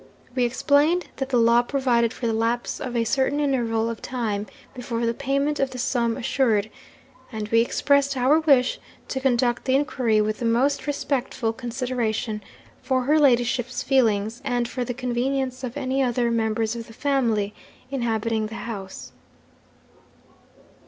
We explained that the law provided for the lapse of a certain interval of time before the payment of the sum assured, and we expressed our wish to conduct the inquiry with the most respectful consideration for her ladyship's feelings, and for the convenience of any other members of the family inhabiting the house.